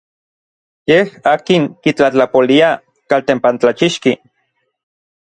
Yej n akin kitlatlapolia n kaltempantlachixki.